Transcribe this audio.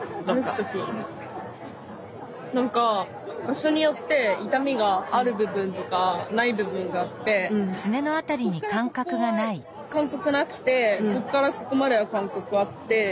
何か場所によって痛みがある部分とかない部分があってここからここは感覚なくてここからここまでは感覚あって。